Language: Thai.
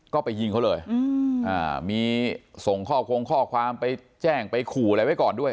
ก็ไปยิงเขาเลยมีส่งข้อคงข้อความไปแจ้งไปขู่อะไรไว้ก่อนด้วย